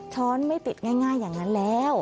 ช้อนไม่ติดง่ายอย่างนั้นแล้ว